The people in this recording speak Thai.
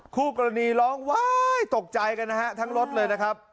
คุณกรณีร้องว้ายยยยยยตกใจทั้งรถเลยนะครับ